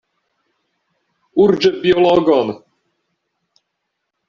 Urĝe biologon!